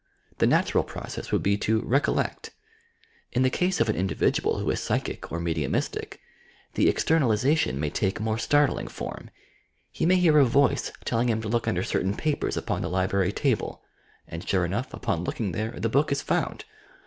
The natural process would be to "recollect." In the case of an individual who is psychic or mediumistie, the " external izatiou " may take more startling form. He may hear a voice telling him to look under certain papers upon the library table, and, sure enough, upon looking there, the book is found!